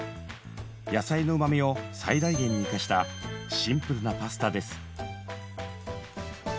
野菜のうまみを最大限に生かしたシンプルなパスタです。